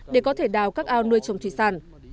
để có thể đào các ao nuôi trồng thủy sản